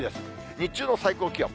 日中の最高気温。